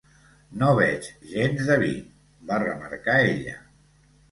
"No veig gens de vi", va remarcar ella.